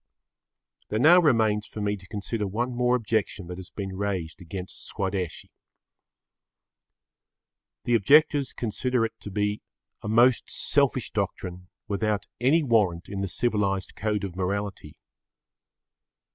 There now remains for me to consider one more objection that has been raised against Swadeshi. The objectors consider it to be a most selfish doctrine without any warrant in the civilised code of morality.